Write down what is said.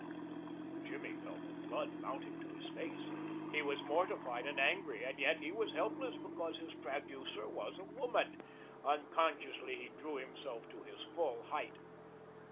Jimmy felt the blood mounting to his face. He was mortified and angry, and yet he was helpless because his traducer was a woman. Unconsciously he drew himself to his full height.